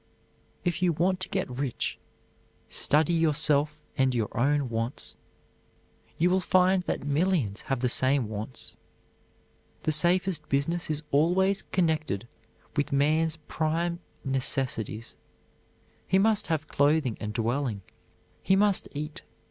If you want to get rich, study yourself and your own wants. You will find that millions have the same wants. The safest business is always connected with man's prime necessities. He must have clothing and dwelling; he must eat.